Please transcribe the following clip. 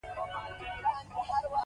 شتمن خلک د خوښۍ راز په ورکولو کې ویني.